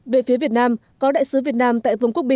về phía việt nam có đại sứ việt nam tại vương quốc bỉ